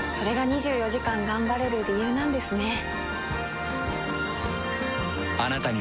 れが２４時間頑張れる理由なんですね。